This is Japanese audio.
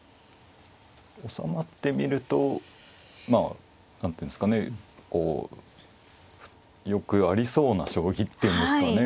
おさまってみるとまあ何ていうんですかねこうよくありそうな将棋っていうんですかね